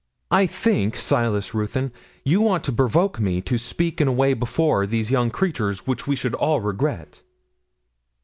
'I think, Silas Ruthyn, you want to provoke me to speak in a way before these young creatures which we should all regret.'